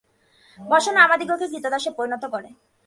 বাসনা আমাদিগকে ক্রীতদাসে পরিণত করে।